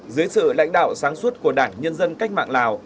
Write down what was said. dưới sự lãnh đạo sáng suốt của đảng nhân dân cách mạng lào